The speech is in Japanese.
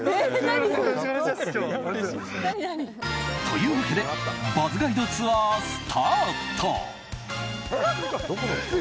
というわけでＢｕｚｚガイドツアースタート！